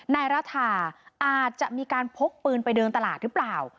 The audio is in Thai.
นายรัฐาอาจจะมีการพกปืนไปเดินตลาดหรือเปล่า